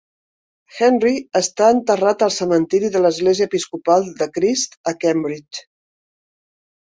Henry està enterrat al Cementiri de l'Església Episcopal de Christ a Cambridge.